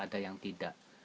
ada yang tidak